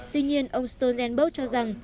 tuy nhiên ông stoltenberg cho rằng